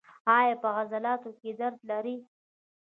ایا په عضلاتو کې درد لرئ؟